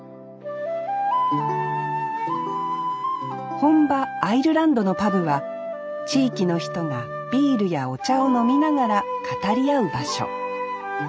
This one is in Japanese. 本場アイルランドのパブは地域の人がビールやお茶を飲みながら語り合う場所